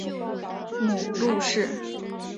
母陆氏。